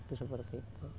itu seperti itu